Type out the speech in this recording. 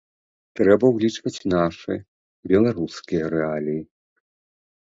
Трэба ўлічваць нашы, беларускія рэаліі.